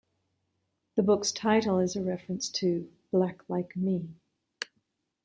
The book's title is a reference to "Black Like Me".